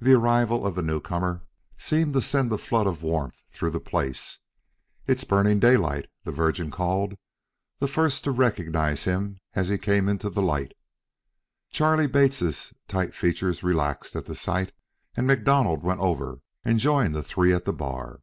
The arrival of the newcomer seemed to send a flood of warmth through the place. "It's Burning Daylight," the Virgin cried, the first to recognize him as he came into the light. Charley Bates' tight features relaxed at the sight, and MacDonald went over and joined the three at the bar.